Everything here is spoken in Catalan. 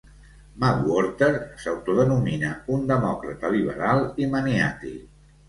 McWhorter s'autodenomina "un demòcrata liberal i maniàtic".